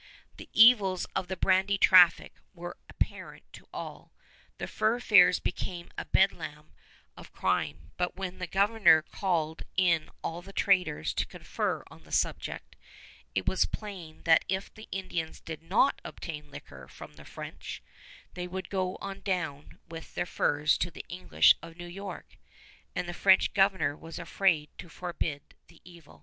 The evils of the brandy traffic were apparent to all the Fur Fairs became a bedlam of crime; but when the Governor called in all the traders to confer on the subject, it was plain that if the Indians did not obtain liquor from the French, they would go on down with their furs to the English of New York, and the French Governor was afraid to forbid the evil.